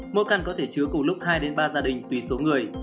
mỗi căn có thể chứa cùng lúc hai ba gia đình tùy số người